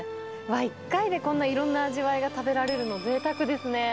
１回でこんないろんな味わいが食べられるの、ぜいたくですね。